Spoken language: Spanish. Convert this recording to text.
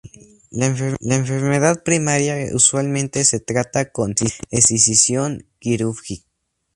La enfermedad primaria usualmente se trata con escisión quirúrgica.